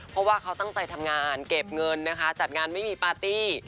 เพราะว่าเขาตั้งใจทำงานเก็บเงินนะคะจัดงานไม่มีปาร์ตี้